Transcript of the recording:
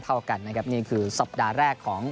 เท่ากันนะครับนี่คือสัปดาห์แรกของ